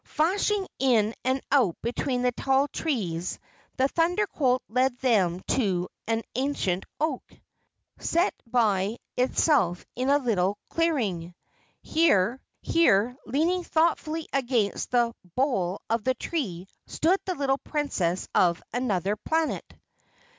Flashing in and out between the tall trees, the Thunder Colt led them to an ancient oak, set by itself in a little clearing. Here, leaning thoughtfully against the bole of the tree, stood the little Princess of Anuther Planet.